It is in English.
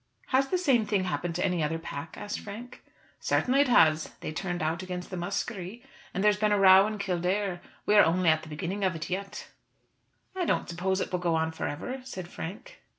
"Has the same thing happened to any other pack?" asked Frank. "Certainly it has. They turned out against the Muskerry; and there's been a row in Kildare. We are only at the beginning of it yet." "I don't suppose it will go on for ever," said Frank.